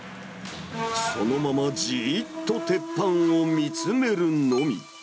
そのままじーっと鉄板を見つめるのみ。